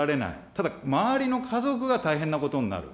ただ、周りの家族が大変なことになる。